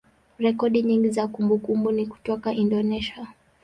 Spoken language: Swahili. rekodi nyingi za kumbukumbu ni kutoka Indonesia.